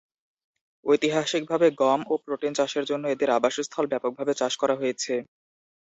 ঐতিহাসিকভাবে গম ও প্রোটিন চাষের জন্য এদের আবাসস্থল ব্যাপকভাবে চাষ করা হয়েছে।